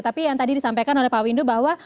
tapi yang tadi disampaikan oleh pak windu bahwa